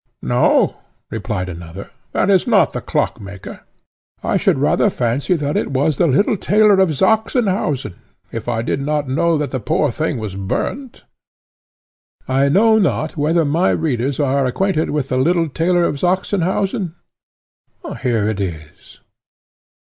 "No," replied another; "that is not the clock maker. I should rather fancy that it was the Little Tailor of Sachsenhausen, if I did not know that the poor thing was burnt." I know not whether my readers are acquainted with the Little Tailor of Sachsenhausen? Here it is.